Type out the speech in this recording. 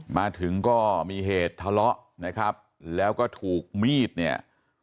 มาถึงก็มีเหตุทะเลาะนะครับแล้วก็ถูกมีดเนี่ย